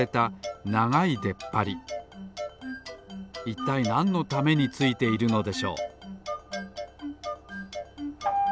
いったいなんのためについているのでしょう？